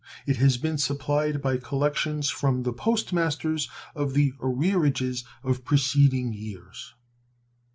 It has been supplied by collections from the post masters of the arrearages of preceding years.